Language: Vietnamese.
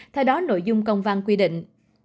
theo đó nội dung công văn quy định